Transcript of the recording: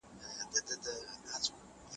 تل به تهمتونه د زندان زولنې نه ویني